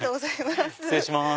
失礼します。